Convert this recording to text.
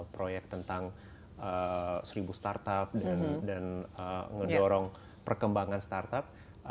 proyek tentang seribu startup dan mendorong perkembangan startup